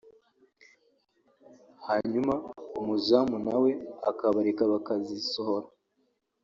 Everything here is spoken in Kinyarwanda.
hanyuma umuzamu nawe akabareka bakazisohora